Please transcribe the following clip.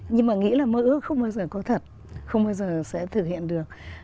nhưng mà nghĩ là mơ ước không bao giờ có thật không bao giờ sẽ thực hiện được